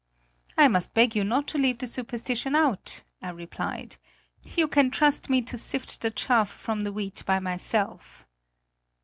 "I must beg you not to leave the superstition out," I replied. "You can trust me to sift the chaff from the wheat by myself!"